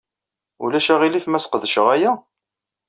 Ulac aɣilif ma sqedceɣ aya?